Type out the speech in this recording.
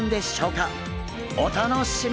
お楽しみに！